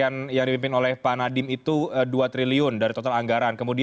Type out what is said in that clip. kayaknya sangat suggestive revealed dari saidat affected